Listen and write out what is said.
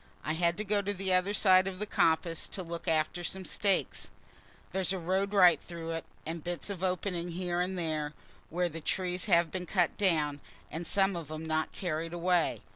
I had to go to the other side of the coppice to look after some stakes. There's a road right through it, and bits of openings here and there, where the trees have been cut down, and some of 'em not carried away.